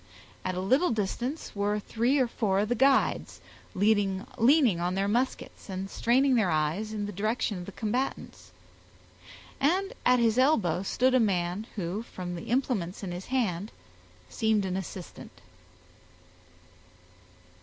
At a little distance were three or four of the guides, leaning on their muskets, and straining their eyes in the direction of the combatants, and at his elbow stood a man who, from the implements in his hand, seemed an assistant.